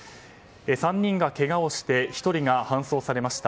３人がけがをして１人が搬送されました。